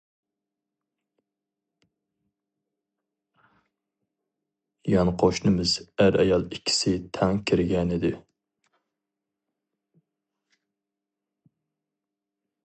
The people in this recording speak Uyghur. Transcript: يان قوشنىمىز ئەر-ئايال ئىككىسى تەڭ كىرگەنىدى.